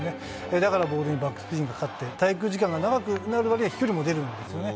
だから、ボールにバックスピンがかかって、滞空時間が長くなるわけで飛距離も出るんですよね。